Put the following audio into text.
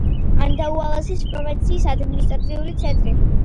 ანდაუაილასის პროვინციის ადმინისტრაციული ცენტრი.